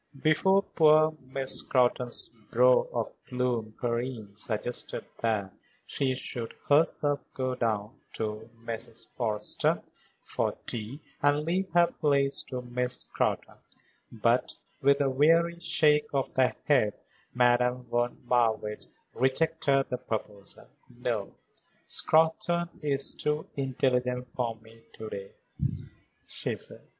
Before poor Miss Scrotton's brow of gloom Karen suggested that she should herself go down to Mrs. Forrester for tea and leave her place to Miss Scrotton, but, with a weary shake of the head, Madame von Marwitz rejected the proposal. "No; Scrotton is too intelligent for me to day," she said.